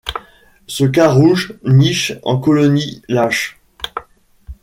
Ce carouge niche en colonies lâches.